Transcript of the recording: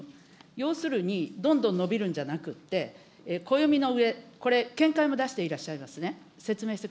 要するにどんどん延びるんじゃなくって、暦の上、これ見解も出していらっしゃいますね。